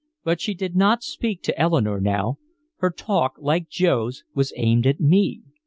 But she did not speak to Eleanore now, her talk like Joe's was aimed at me.